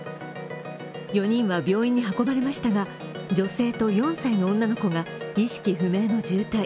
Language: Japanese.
４人は病院に運ばれましたが女性と４歳の女の子が意識不明の重体。